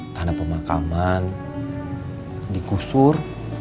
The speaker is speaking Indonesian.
tanah pemakaman digusur